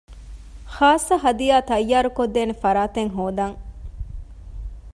ޚާއްޞަ ހަދިޔާ ތައްޔާރު ކޮށްދޭނެ ފަރާތެއް ހޯދަން